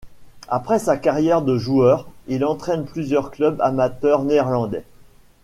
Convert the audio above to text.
Après sa carrière de joueur, il entraîne plusieurs clubs amateurs néerlandais.